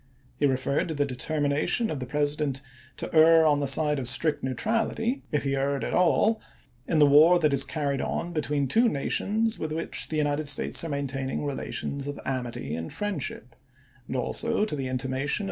He referred to the de termination of the President to err on the side of 404 ABRAHAM LINCOLN chap. xiv. strict neutrality, if he erred at all, in the war that is carried on between two nations with which the United States are maintaining relations of amity and friendship ; and also to the intimation of M.